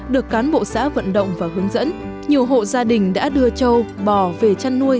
được cán bộ xã vận động và hướng dẫn nhiều hộ gia đình đã đưa châu bò về chăn nuôi